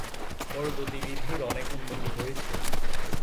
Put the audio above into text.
ওর গতিবিধির অনেক উন্নতি হয়েছে।